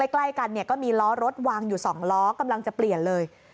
ใกล้กันก็มีล้อรถวางอยู่๒ล้อกำลังจะเปลี่ยนเลย